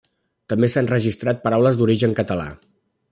També s'han registrat paraules d'origen català.